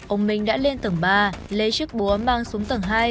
ông minh đã lên tầng ba lấy chiếc búa mang xuống tầng hai